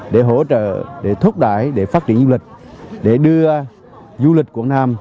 để thúc đẩy để phát triển du lịch để đưa du lịch quảng nam